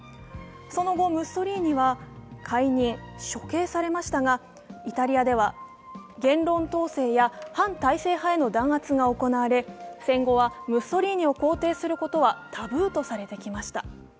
その後、ムッソリーニは解任、処刑されましたが、イタリアでは言論統制や反体制派への弾圧が行われ、戦後はムッソリーニを肯定することはタブーとされてきました。